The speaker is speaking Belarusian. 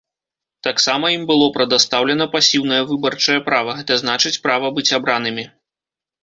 Таксама ім было прадастаўлена пасіўнае выбарчае права, гэта значыць права быць абранымі.